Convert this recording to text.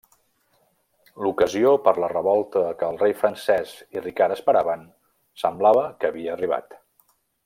L'ocasió per la revolta que el rei francès i Ricard esperaven semblava que havia arribat.